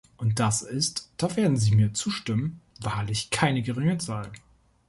Und das ist, da werden Sie mir zustimmen, wahrlich keine geringe Zahl.